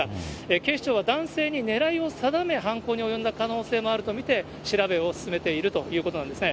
警視庁は男性に狙いを定め、犯行に及んだ可能性もあると見て、調べを進めているということなんですね。